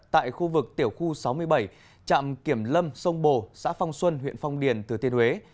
tại khu vực tiểu khu sáu mươi bảy trạm kiểm lâm sông bồ xã phong xuân huyện phong điền từ thiên huế